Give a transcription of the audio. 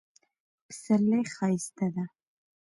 پسرلی ښایسته ده